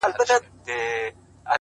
مثبت انسان هیله ژوندۍ ساتي.!